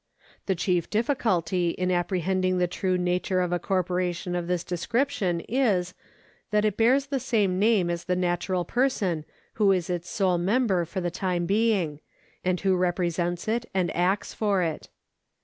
The chief difificvdty in apprehending the true nature of a corporation of this description is that it bears the same name as the natural person who is its sole member for the time being, and who represents it and acts for it.